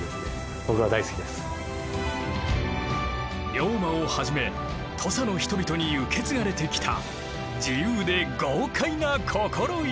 龍馬をはじめ土佐の人々に受け継がれてきた自由で豪快な心意気。